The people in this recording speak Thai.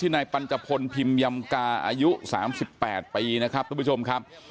นายปัญจพลพิมยำกาอายุ๓๘ปีนะครับทุกผู้ชมครับ